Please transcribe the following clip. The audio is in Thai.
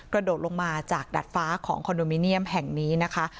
โดดลงมาจากดัดฟ้าของคอนโดมิเนียมแห่งนี้นะคะ